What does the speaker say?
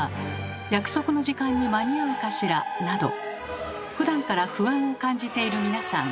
約束の時間に間に合うかしら？などふだんから不安を感じている皆さん。